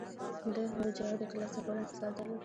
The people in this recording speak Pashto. ده د جواب د ترلاسه کولو انتظار درلود.